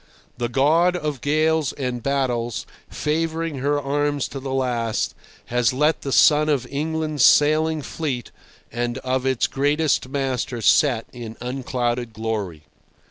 The God of gales and battles favouring her arms to the last, has let the sun of England's sailing fleet and of its greatest master set in unclouded glory.